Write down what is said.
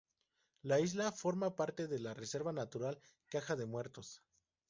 La isla forma parte de la Reserva Natural Caja de Muertos.